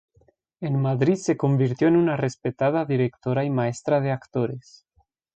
En Madrid se convirtió en una respetada directora y maestra de actores.